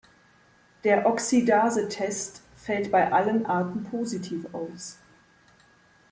Der Oxidase-Test fällt bei allen Arten positiv aus.